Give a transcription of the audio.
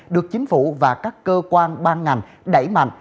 được chính phủ và các cơ quan ban ngành đẩy mạnh